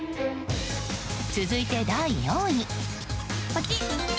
続いて、第４位。